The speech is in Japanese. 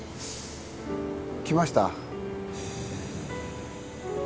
来ました。